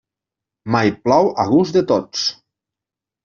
Mai plou a gust de tots.